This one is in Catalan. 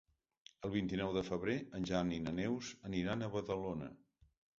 El vint-i-nou de febrer en Jan i na Neus aniran a Badalona.